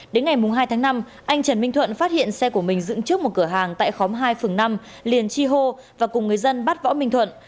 đến ngày hai tháng năm anh trần minh thuận phát hiện xe của mình dựng trước một cửa hàng tại khóm hai phường năm liền chi hô và cùng người dân bắt võ minh thuận